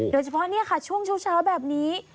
โดยเฉพาะเนี่ยค่ะช่วงเช้าแบบนี้